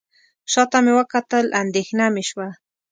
شاته مې وکتل اندېښنه مې شوه.